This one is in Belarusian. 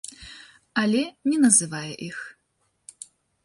Але не называе іх.